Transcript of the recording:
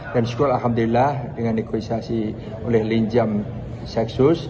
dan syukur alhamdulillah dengan negosiasi oleh linjam seksus